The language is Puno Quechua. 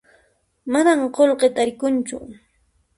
Manan qullqi tarikunchu